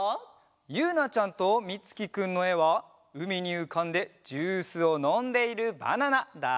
ゆうなちゃんとみつきくんのえはうみにうかんでジュースをのんでいるバナナだそうです。